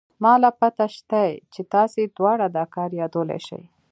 ما له پته شتې چې تاسې دواړه دا كار يادولې شې.